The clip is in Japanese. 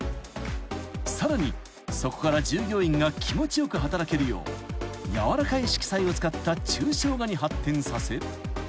［さらにそこから従業員が気持ちよく働けるよう柔らかい色彩を使った抽象画に発展させ］